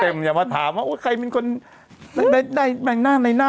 เต็มอย่ามาถามว่าใครเป็นคนในหน้านั้น